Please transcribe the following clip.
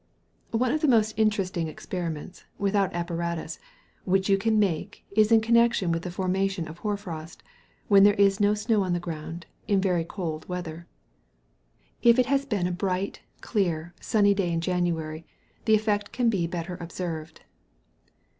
One of the most interesting experiments, without apparatus, which you can make is in connection with the formation of hoar frost, when there is no snow on the ground, in very cold weather. If it has been a bright, clear, sunny day in January, the effect can be better observed.